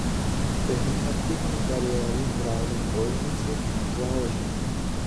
Během aktivní kariéry hrál na pozici záložníka.